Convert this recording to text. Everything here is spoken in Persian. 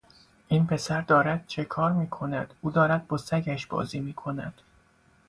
این پسر دارد چکار می کند؟ او دارد با سگش بازی می کند.